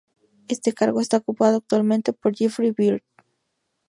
Este cargo está ocupado actualmente por Jeffrey Beard.